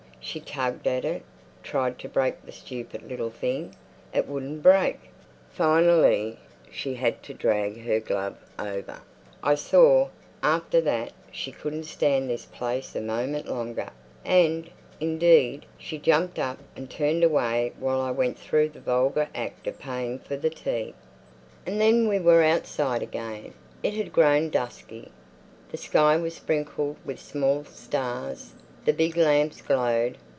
She tugged at it—tried to break the stupid little thing—it wouldn't break. Finally, she had to drag her glove over. I saw, after that, she couldn't stand this place a moment longer, and, indeed, she jumped up and turned away while I went through the vulgar act of paying for the tea. And then we were outside again. It had grown dusky. The sky was sprinkled with small stars; the big lamps glowed.